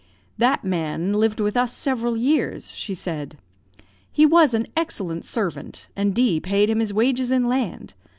"That man lived with us several years," she said; "he was an excellent servant, and D paid him his wages in land.